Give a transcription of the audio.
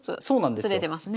そうなんですよ。